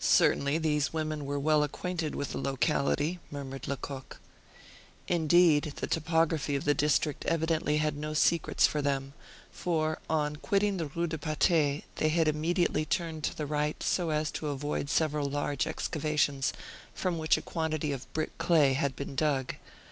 "Certainly these women were well acquainted with the locality," murmured Lecoq. Indeed, the topography of the district evidently had no secrets for them, for, on quitting the Rue de Patay, they had immediately turned to the right, so as to avoid several large excavations, from which a quantity of brick clay had been dug.